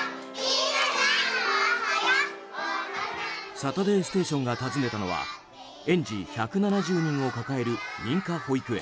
「サタデーステーション」が訪ねたのは園児１７０人を抱える認可保育園。